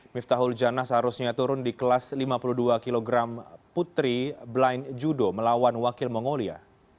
miftahul janah seharusnya turun di kelas lima puluh dua kg putri blind judo melawan wakil mongolia